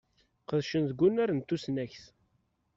Qedcen deg unnar n tusnakt.